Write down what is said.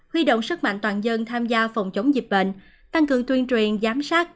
huy động sức mạnh toàn dân tham gia phòng chống dịch bệnh tăng cường tuyên truyền giám sát